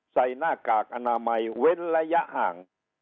หน้ากากอนามัยเว้นระยะห่าง